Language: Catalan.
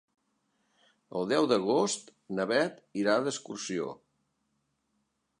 El deu d'agost na Bet irà d'excursió.